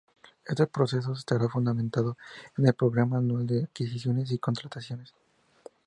Este proceso estará fundamentado en el Programa Anual de Adquisiciones y Contrataciones.